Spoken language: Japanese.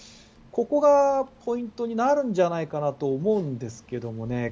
ここがポイントになるんじゃないかなと思うんですけれどもね。